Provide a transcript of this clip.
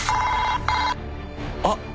あっ。